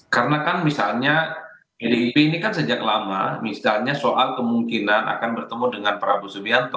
karena kan misalnya pdip ini kan sejak lama misalnya soal kemungkinan akan bertemu dengan prabowo subianto